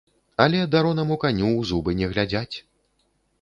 Але даронаму каню ў зубы не глядзяць.